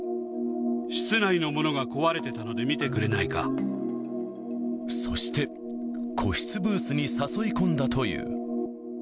室内の物が壊れてたので見てそして、個室ブースに誘い込んだという。